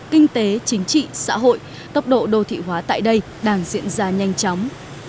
kinh tế chính trị xã hội tốc độ đô thị hóa tại đây đang diễn ra nhanh chóng